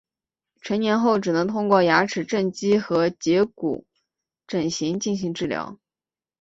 成年后只能通过牙齿正畸和截骨整形进行治疗。